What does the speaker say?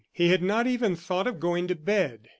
He had not even thought of going to bed.